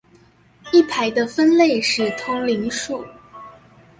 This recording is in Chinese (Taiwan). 一排的分類是通靈術